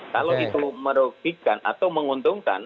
kalau itu merugikan atau menguntungkan